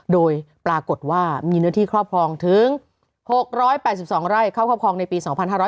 โดยปรากฏว่ามีเนื้อที่ครอบครองถึง๖๘๒ไร่เข้าครอบครองในปี๒๕๕๙